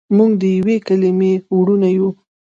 موږ دیوې کلیمې وړونه یو.